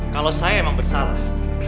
kalau saya emang bersalah